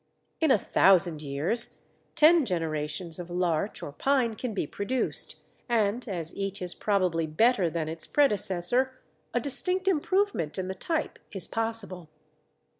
In a thousand years, ten generations of larch or pine can be produced, and, as each is probably better than its predecessor, a distinct improvement in the type is possible.